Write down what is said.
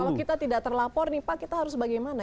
kalau kita tidak terlapor nih pak kita harus bagaimana